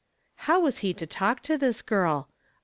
How was he to talk to this girl ?